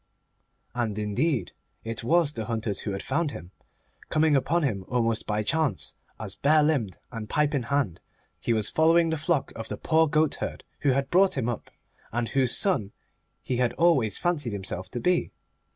And, indeed, it was the hunters who had found him, coming upon him almost by chance as, bare limbed and pipe in hand, he was following the flock of the poor goatherd who had brought him up, and whose son he had always fancied himself to be.